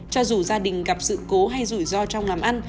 cho dù gia đình gặp sự cố hay rủi ro trong làm ăn